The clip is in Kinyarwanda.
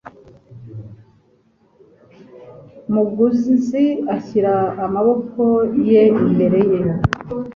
Mugunzi ashyira amaboko ye imbere ye.